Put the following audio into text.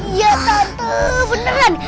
iya tante beneran